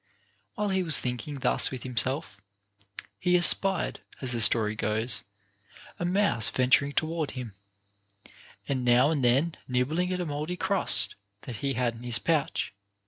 While he was thinking thus with himself, he espied (as the story goes) a mouse venturing toward him, and now and then nibbling at a mouldy crust that he had in his pouch.